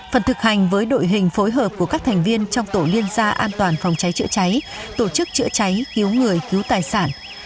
phần thực hành với đội hình phối hợp của các thành viên trong tổ liên gia an toàn phòng cháy chữa cháy tổ chức chữa cháy cứu người cứu tài sản